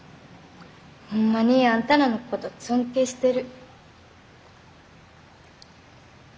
ホンマにあんたらのこと尊敬してる。